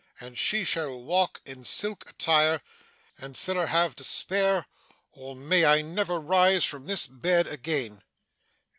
And she shall walk in silk attire, and siller have to spare, or may I never rise from this bed again!